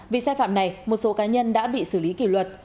vì sai phạm này một số cá nhân đã bị xử lý kỷ luật